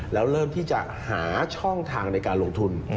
แล้วเริ่มที่จะหาช่องทางในการลงทุน